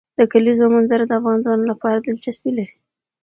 د کلیزو منظره د افغان ځوانانو لپاره دلچسپي لري.